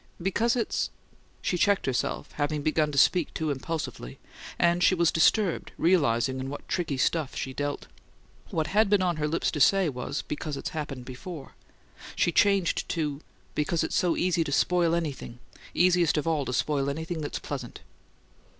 "Because it's " She checked herself, having begun to speak too impulsively; and she was disturbed, realizing in what tricky stuff she dealt. What had been on her lips to say was, "Because it's happened before!" She changed to, "Because it's so easy to spoil anything easiest of all to spoil anything that's pleasant."